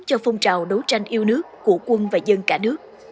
cho phong trào đấu tranh yêu nước của quân và dân cả nước